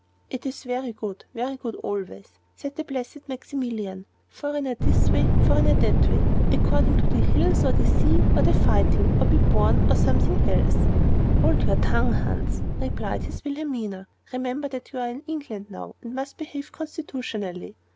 "It is vere goot, vere goot always," said the placid Maximilian; "foreigner dis way, foreigner dat way; according to de hills, or de sea, or de fighting, or being born, or someting else." "Hold your tongue, Hans," cried his Wilhelmina; "remember that you are in England now, and must behave constitutionally.